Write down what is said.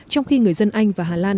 trong khi người dân anh và hà lan